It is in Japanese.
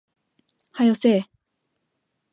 早よせえ